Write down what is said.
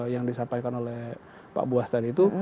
yang disampaikan oleh pak buas tadi itu